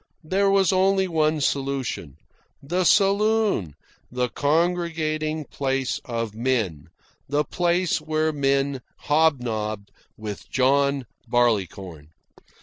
There was only one solution: the saloon, the congregating place of men, the place where men hobnobbed with John Barleycorn.